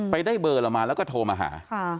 ได้เบอร์เรามาแล้วก็โทรมาหา